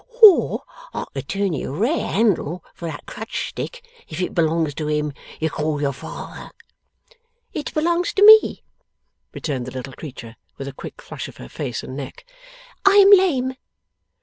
Or I could turn you a rare handle for that crutch stick, if it belongs to him you call your father.' 'It belongs to me,' returned the little creature, with a quick flush of her face and neck. 'I am lame.